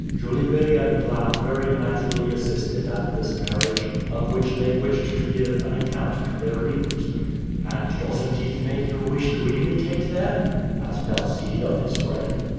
Jolivet and Blount very naturally assisted at this marriage, of which they wished to give an account to their readers. "And doesn't it make you wish to imitate them?" asked Alcide of his friend.